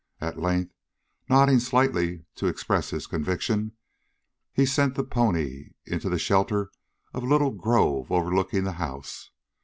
At length, nodding slightly to express his conviction, he sent the pony into the shelter of a little grove overlooking the house.